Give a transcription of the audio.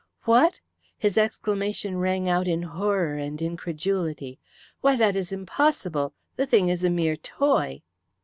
"What!" His exclamation rang out in horror and incredulity. "Why, it is impossible. The thing is a mere toy."